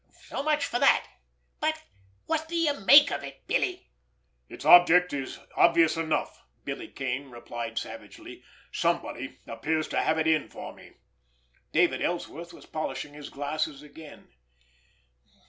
"So much for that! But what do you make of it, Billy?" "It's object is obvious enough," Billy Kane replied savagely. "Somebody appears to have it in for me." David Ellsworth was polishing his glasses again.